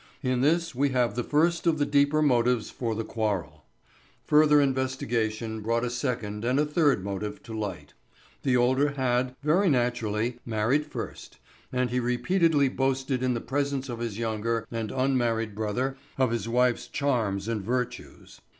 In this we have the first of the deeper motives for the quarrel. Further investigation brought a second and a third motive to light. The older had, very naturally, married first, and repeatedly boasted in the presence of his younger and unmarried brother of his wife's charms and virtues.